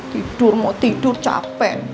tidur mau tidur capek